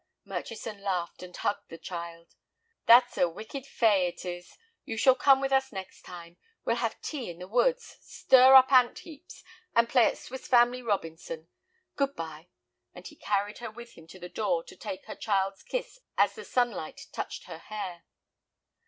Murchison laughed, and hugged the child. "What a wicked fay it is! You shall come with us next time. We'll have tea in the woods, stir up ant heaps, and play at Swiss Family Robinson. Good bye," and he carried her with him to the door to take her child's kiss as the sunlight touched her hair.